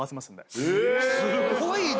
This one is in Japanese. すごい！